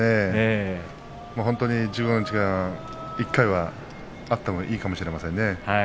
本当に１５日間、１回はあってもいいかもしれませんね。